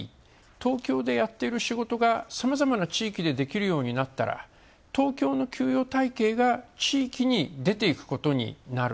東京でやっている仕事が、さまざまな地域でできるようになったら東京の給与体系が地域に出ていくことになる。